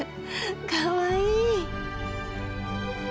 かわいい！